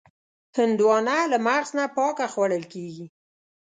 هندوانه له مغز نه پاکه خوړل کېږي.